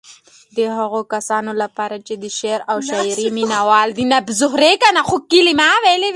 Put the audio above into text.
د هغو کسانو لپاره چې د شعر او شاعرۍ مينوال دي.